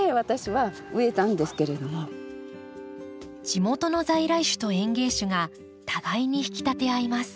地元の在来種と園芸種が互いに引き立て合います。